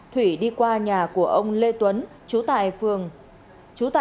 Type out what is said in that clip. thủy đi qua nhà của ông lê tuấn trú tại đường phạm văn thuột